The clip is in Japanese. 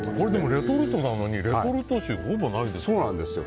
レトルトなのにレトルト臭はほぼないですよ。